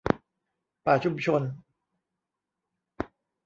ป่าชุมชน